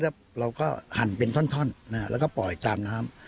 แล้วเราก็หั่นเป็นท่อนแล้วก็ปล่อยตามน้ำ